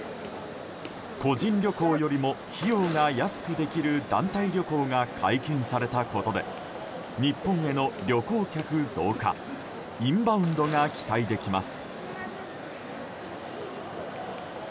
個人旅行よりも費用が安くできる団体旅行が解禁されたことで日本への旅行客増加インバウンドが期待できます。